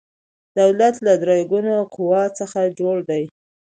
دولت له درې ګونو قواو څخه جوړ دی